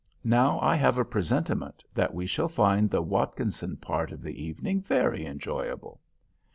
Now I have a presentiment that we shall find the Watkinson part of the evening very enjoyable."